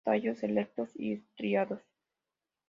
Tallos erectos y estriados.